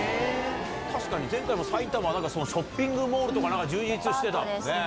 確かに前回も埼玉は、なんかショッピングモールとか充実してた。